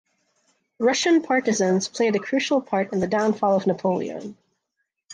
Russian partisans played a crucial part in the downfall of Napoleon.